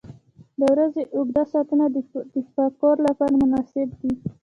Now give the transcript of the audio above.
• د ورځې اوږده ساعتونه د تفکر لپاره مناسب دي.